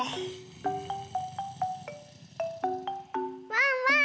ワンワーン！